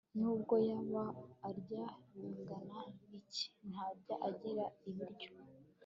nubwo yaba arya bingana iki, ntajya agira ibiro